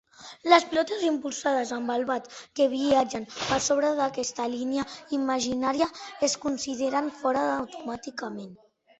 Les pilotes impulsades amb el bat que viatgen per sobre d'aquesta línia imaginària es consideren fora automàticament.